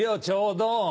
ちょうど。